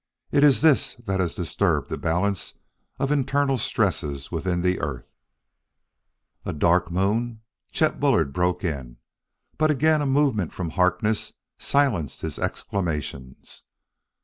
It is this that has disturbed the balance of internal stresses within the earth ""A dark moon!" Chet Bullard broke in, but again a movement from Harkness silenced his exclamations.